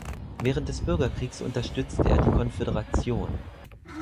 Während des Bürgerkriegs unterstützte er die Konföderation.